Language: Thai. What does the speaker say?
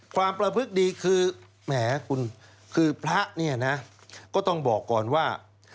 ความประพฤกษ์ดีคือพระก็ต้องบอกก่อนว่า